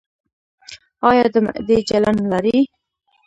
ایا د معدې جلن لرئ؟